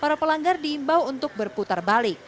para pelanggar diimbau untuk berputar balik